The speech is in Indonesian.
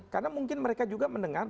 karena mungkin mereka juga mendengar